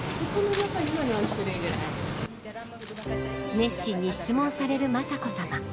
熱心に質問される雅子さま。